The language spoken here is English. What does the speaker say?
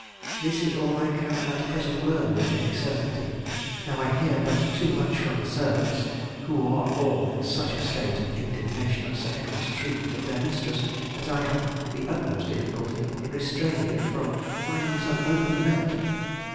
This is all I can at present learn with any certainty, though I hear but too much from the servants, who are all in such a state of indignation at Sir Edward's treatment of their mistress, that I have the utmost difficulty in restraining it from finding some open vent.